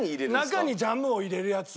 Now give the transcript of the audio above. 中にジャムを入れるやつ。